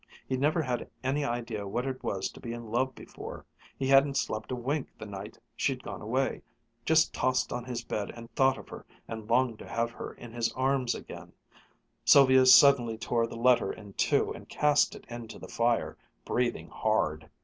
He'd never had any idea what it was to be in love before he hadn't slept a wink the night she'd gone away just tossed on his bed and thought of her and longed to have her in his arms again Sylvia suddenly tore the letter in two and cast it into the fire, breathing hard.